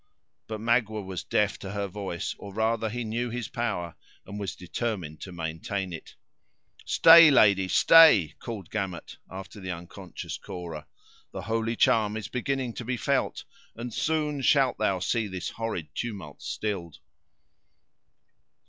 But Magua was deaf to her voice; or, rather, he knew his power, and was determined to maintain it. "Stay—lady—stay," called Gamut, after the unconscious Cora. "The holy charm is beginning to be felt, and soon shalt thou see this horrid tumult stilled."